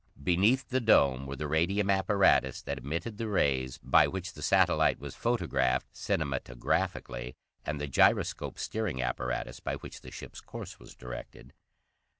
Beneath the dome were the radium apparatus that emitted the rays by which the satellite was photographed cinematographically, and the gyroscope steering apparatus by which the ship's course was directed.